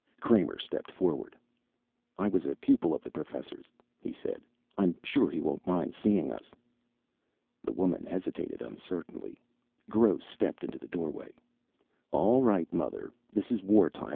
Kramer stepped forward. "I was a pupil of the Professor's," he said. "I'm sure he won't mind seeing us." The woman hesitated uncertainly. Gross stepped into the doorway. "All right, mother. This is war time.